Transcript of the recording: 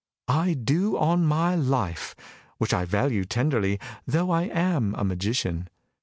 "I do, on my life which I value tenderly, though I am a magician.